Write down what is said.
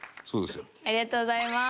ありがとうございます。